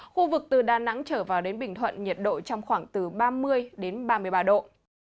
khu vực từ đà nẵng trở vào đến bình thuận nhiệt độ trong khoảng từ ba mươi đến ba mươi ba độ